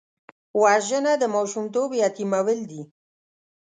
وژنه د ماشومتوب یتیمول دي